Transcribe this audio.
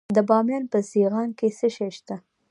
د بامیان په سیغان کې څه شی شته؟